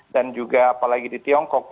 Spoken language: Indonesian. dan juga apalagi di tiongkok